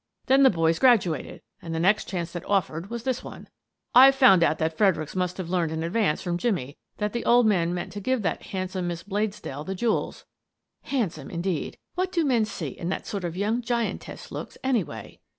Then the boys graduated, and the next chance that offered was this one. I've found out that Fredericks must have learned in advance from Jimmie that the old man meant to give that handsome Miss Bladesdell the jewels." ("Handsome ," indeed 1 What do men see in that sort of young giantess looks anyway?)